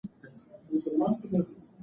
هغه د غرمې په یوه بجه له کوره ووت.